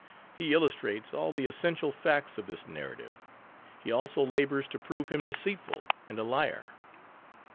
He illustrates all the essential facts of this narrative. He also labors to prove him deceitful and a liar.